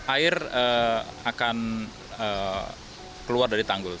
air akan keluar dari tanggul